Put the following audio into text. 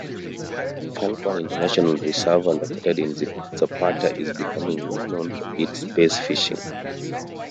Falcon International Reservoir located in Zapata is becoming well known for its bass fishing.